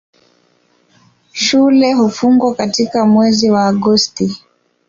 Shule hufungwa katika mwezi wa Agosti.